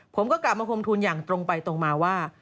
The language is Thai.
ผมก็กราบบังคมทูลอย่างตรงไปตรงมาว่า